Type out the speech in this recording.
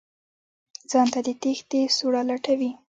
ځان ته د تېښتې سوړه لټوي.